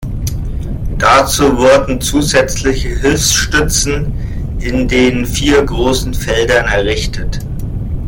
Dazu wurden zusätzliche Hilfsstützen in den vier großen Feldern errichtet.